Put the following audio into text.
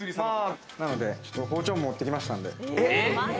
なので包丁を持ってきました。